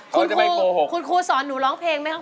คุณครูคุณครูสอนหนูร้องเพลงไหมครับ